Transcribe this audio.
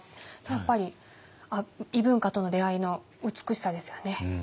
やっぱり異文化との出会いの美しさですよね。